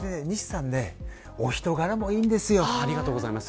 西さんは、お人柄もいいんです。